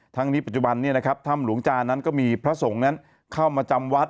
ทั้งนี้ปัจจุบันถ้ำหลวงจานั้นก็มีพระสงฆ์นั้นเข้ามาจำวัด